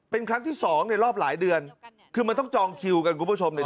เป็นครั้งที่สองในรอบหลายเดือนคือมันต้องจองคิวกันคุณผู้ชมเนี่ย